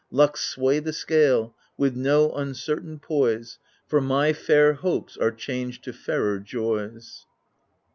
Luck sway the scale ^ with no uncertain poise. For my fair hopes are changed to fairer joys.